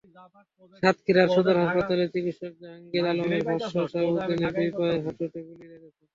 সাতক্ষীরা সদর হাসপাতালের চিকিত্সক জাহাঙ্গীর আলমের ভাষ্য, শাহাবুদ্দিনের দুই পায়ের হাঁটুতে গুলি লেগেছে।